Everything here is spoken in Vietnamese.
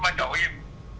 được hài lòng lắm